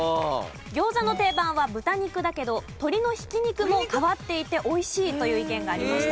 ギョーザの定番は豚肉だけど鶏のひき肉も変わっていて美味しいという意見がありました。